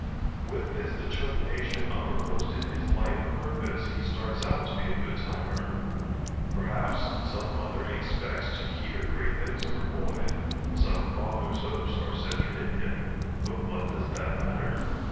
With this determination uppermost in his life purpose he starts out to be a good timer. Perhaps some mother expects to hear great things of her boy, some father's hopes are centered in him, but what does that matter?